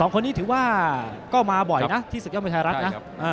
คนนี้ถือว่าก็มาบ่อยนะที่ศึกยอดมวยไทยรัฐนะ